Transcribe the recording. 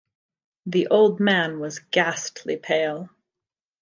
The old man was ghastly pale.